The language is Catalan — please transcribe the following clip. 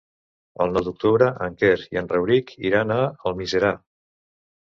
El nou d'octubre en Quer i en Rauric iran a Almiserà.